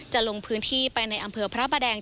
จะลงพื้นที่ไปในอำเภอพระประแดง